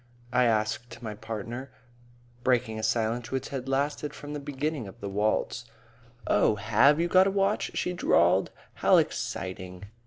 I asked my partner, breaking a silence which had lasted from the beginning of the waltz. "Oh, have you got a watch?" she drawled. "How exciting!"